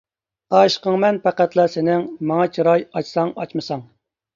ئاشىقىڭمەن پەقەتلا سېنىڭ، ماڭا چىراي ئاچساڭ، ئاچمىساڭ.